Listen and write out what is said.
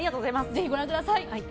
ぜひご覧ください。